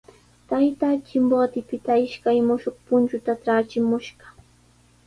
Taytaa Chimbotepita ishkay mushuq punchuta traachimushqa.